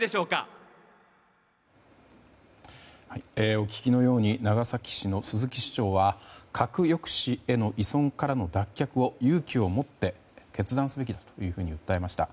お聞きのように長崎市の鈴木市長は核抑止への依存からの脱却を勇気を持って決断すべきだと訴えました。